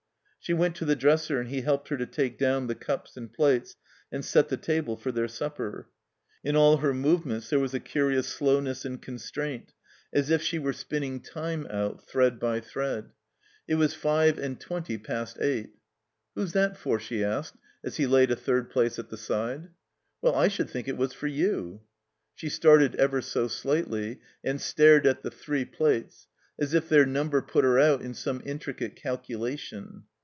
She went to the dresser, and he helped her to take down the cups and plates and set the table for their supper. In all her movements there was a curious slowness and constraint, as if she were spinning time 333 THE COMBINED MAZE out, thread by thread. It was five and twenty past eight. ''Who's that for?" she asked as he laid a third place at the side. "Well, I should think it was for you.'* She started ever so slightly, and stared at the three plates, as if their number put her out in some intricate calculation.